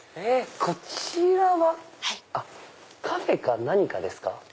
こちらはカフェか何かですか？